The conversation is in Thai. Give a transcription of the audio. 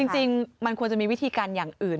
จริงมันควรจะมีวิธีการอย่างอื่น